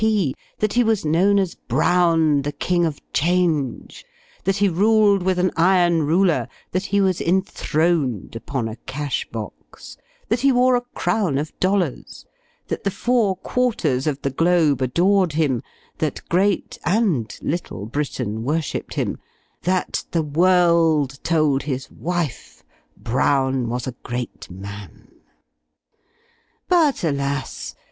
P.; that he was known as Brown, the "King of 'Change" that he ruled with an iron ruler that he was enthroned upon a cash box that he wore a crown of dollars that the four quarters of the globe adored him that Great and Little Britain worshipped him; that the world told his wife, Brown was a great man: but, alas!